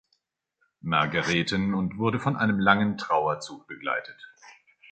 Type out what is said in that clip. Margarethen und wurde von einem langen Trauerzug begleitet.